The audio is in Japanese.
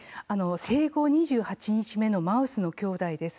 生後２８日目のマウスのきょうだいです。